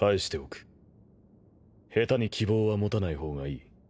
下手に希望は持たない方がいい。